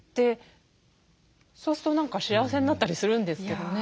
そうすると何か幸せになったりするんですけどね。